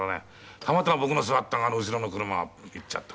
たまたま僕の座った側の後ろの車がいっちゃった。